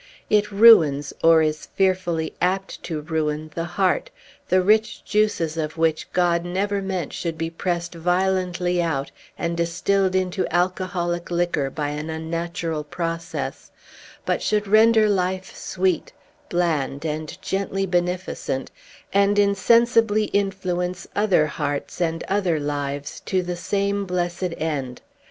It ruins, or is fearfully apt to ruin, the heart, the rich juices of which God never meant should be pressed violently out and distilled into alcoholic liquor by an unnatural process, but should render life sweet, bland, and gently beneficent, and insensibly influence other hearts and other lives to the same blessed end.